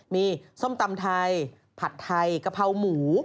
มีส้มตำไทยผัดไทยกะเพราหมู